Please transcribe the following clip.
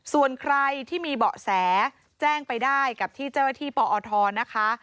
ส่วนใครที่มีเบาะแสแจ้งไปได้กับที่เจ้าหน้าที่ปอทนะคะ